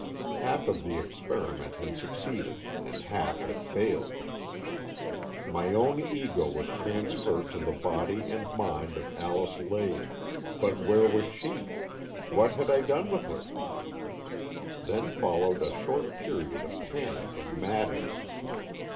Half of the experiment had suc ceeded and half had failed. My own Ego 160 AN EXCHANGE OF SOULS was transferred to the body and mind of Alice Lade, but where was she ? What had I done with her? " Then followed a short period of panic and madness.